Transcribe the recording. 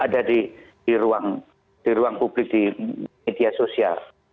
ada di ruang publik di media sosial